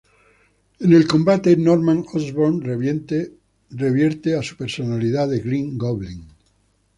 En el combate, Norman Osborn revierte a su personalidad de Green Goblin.